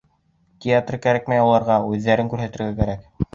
Театр кәрәкмәй уларға, үҙҙәрен күрһәтергә кәрәк!